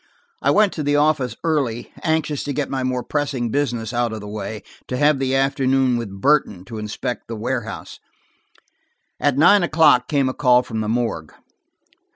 I went to the office early, anxious to get my more pressing business out of the way, to have the afternoon with Burton to inspect the warehouse. At nine o'clock came a call from the morgue.